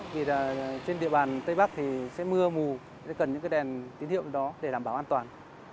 vì trên địa bàn tây bắc thì sẽ mưa mù sẽ cần những cái đèn tín hiệu đó để đảm bảo an toàn